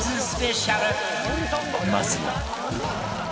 まずは